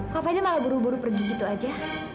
kak fadil malah buru buru pergi gitu aja